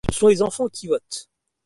Ce sont les enfants qui votent.